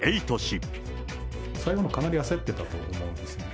最後の、かなり焦ってたと思うんですね。